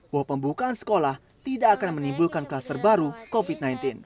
bahwa pembukaan sekolah tidak akan menimbulkan kluster baru covid sembilan belas